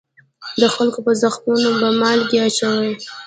د خلکو په زخمونو به مالګې اچول.